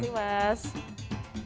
terima kasih mas